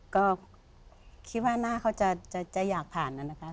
ก็คิดว่าหน้าเขาจะอยากผ่านนั้นนะคะ